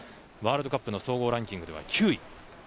ワールドカップの総合ランキングでは９位。